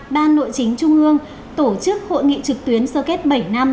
ban nội chính trung ương tổ chức hội nghị trực tuyến sơ kết bảy năm